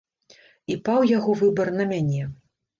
І паў яго выбар на мяне.